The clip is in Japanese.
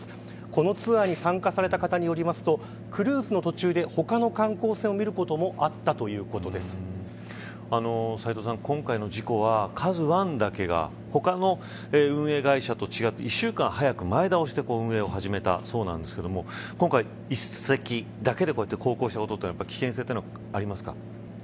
このツアーに参加された方によりますとクルーズの途中で他の観光船を見ることもあった斎藤さん、今回の事故はＫＡＺＵ１だけが他の運営会社と違って１週間前倒しで運営を始めたそうなんですが今回１隻だけで航行したことは危険性はありますか。